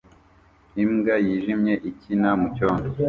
Imbwa yijimye ikina mucyondo